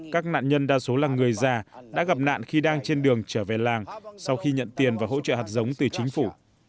các nạn nhân đa số là người già đã gặp nạn khi đang trên đường trở về làng sau khi nhận tiền và hỗ trợ hạt giống từ chính phủ